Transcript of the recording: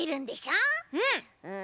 うん！